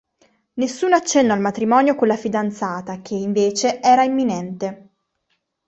Nessun accenno al matrimonio con la fidanzata che, invece, era imminente.